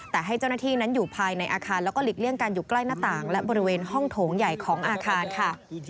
แต่ให้เจ้าหน้าที่นั้นอยู่ภายในอาคารแล้วก็หลีกเลี่ยงกันอยู่ใกล้หน้าต่างและบริเวณห้องโถงใหญ่ของอาคารค่ะ